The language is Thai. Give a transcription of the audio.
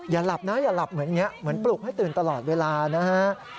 อย่าหลับนะอย่าหลับเหมือนอย่างนี้เหมือนปลุกให้ตื่นตลอดเวลานะฮะ